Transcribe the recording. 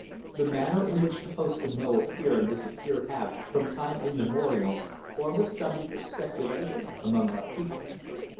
"The manner in which the hosts of Mo appear and disappear have, from time immemorial, formed a subject of speculation among our people.